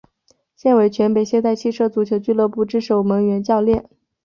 现为全北现代汽车足球俱乐部之守门员教练。